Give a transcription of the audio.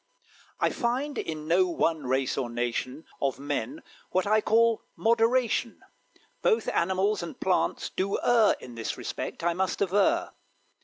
I Find in no one race or nation Of men what I call moderation; Both animals and plants do err In this respect, I must aver.